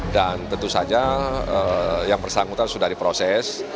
dan tentu saja yang bersangkutan sudah diproses